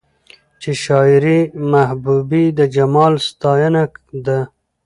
چې شاعري د محبوبې د جمال ستاينه ده